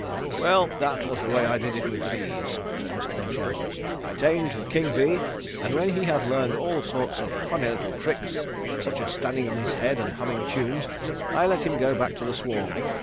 "Well, that was the way I did with the bees," said Mr. Munchausen. "I tamed the king bee, and when he had learned all sorts of funny little tricks, such as standing on his head and humming tunes, I let him go back to the swarm.